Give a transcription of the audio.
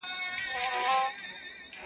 نوريې دلته روزي و ختمه سوې.